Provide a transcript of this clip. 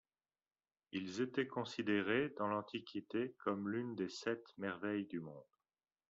Ils étaient considérés dans l'Antiquité comme l'une des Sept Merveilles du monde.